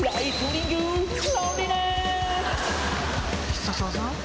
必殺技？